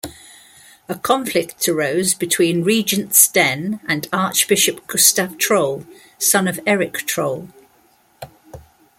A conflict arose between Regent Sten and archbishop Gustav Trolle, son of Eric Trolle.